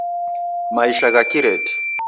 Maisha gha kireti